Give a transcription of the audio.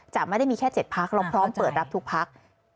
จะไม่ได้มีแค่๗พักเราพร้อมเปิดรับทุกพัก